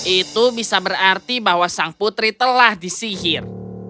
itu bisa berarti bahwa sang putri telah disihir